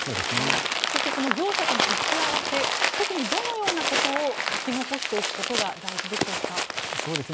そして、その業者との打ち合わせ特にどのようなことを書き残しておくことが大事でしょうか。